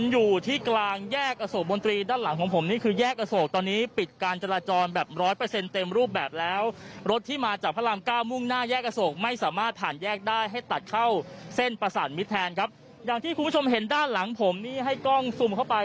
อย่างนี้คุณผู้ชมเห็นด้านหลังผมนี่ให้กล้องซุมเข้าไป